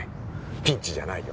ピンチじゃないよ